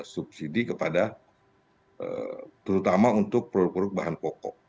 subsidi kepada terutama untuk produk produk bahan pokok